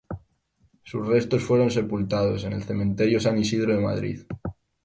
Sus restos fueron sepultados en el cementerio de San Isidro de Madrid.